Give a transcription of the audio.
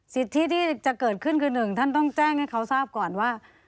สิทธิที่จะเกิดขึ้นคือหนึ่งท่านต้องแจ้งให้เขาทราบก่อนว่า